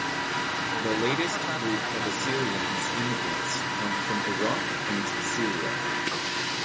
The latest group of Assyrians immigrants come from Iraq and Syria.